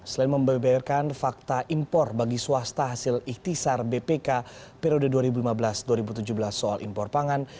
selain membeberkan fakta impor bagi swasta hasil ikhtisar bpk periode dua ribu lima belas dua ribu tujuh belas soal impor pangan